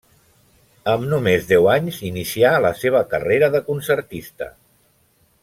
Amb només deu anys inicià la seva carrera de concertista.